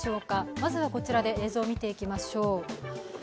まずはこちらで映像を見ていきましょう。